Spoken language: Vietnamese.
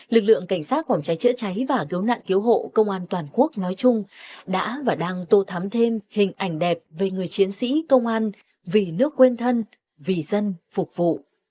lực lượng cảnh sát phòng cháy chữa cháy và cứu nạn cứu hộ công an toàn quốc nói chung đã và đang tô thắm thêm hình ảnh đẹp về người chiến sĩ công an vì nước quên thân vì dân phục vụ